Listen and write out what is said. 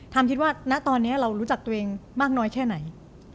คิดว่าณตอนนี้เรารู้จักตัวเองมากน้อยแค่ไหน